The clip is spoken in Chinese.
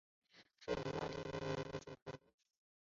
上野国馆林藩第一任藩主。